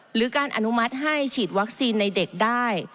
หรือการอนุมัติให้ฉีดวัคซีนในเด็กได้